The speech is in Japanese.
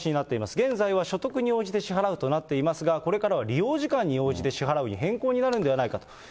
現在は所得に応じて支払うとなっていますが、これからは利用時間に応じて、支払うに変更になるんではないかと。